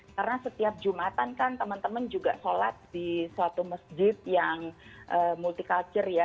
karena setiap jumatan kan teman teman juga sholat di suatu masjid yang multi kultur ya